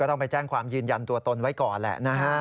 ก็ต้องไปแจ้งความยืนยันตัวตนไว้ก่อน